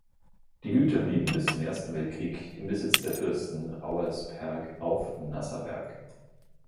Die Güter blieben bis zum Ersten Weltkrieg im Besitz der Fürsten Auersperg auf Nassaberg.